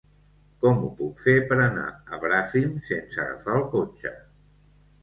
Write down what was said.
Com ho puc fer per anar a Bràfim sense agafar el cotxe?